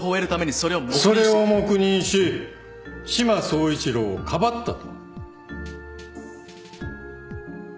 それを黙認し志摩総一郎をかばったと。